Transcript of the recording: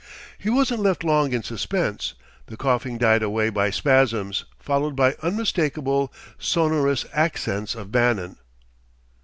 He wasn't left long in suspense. The coughing died away by spasms; followed the unmistakable, sonorous accents of Bannon.